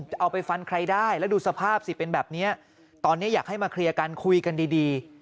จะเอาไปฟันใครได้แล้วดูสภาพสิเป็นแบบนี้ตอนนี้อยากให้มาเคลียร์กันคุยกันดี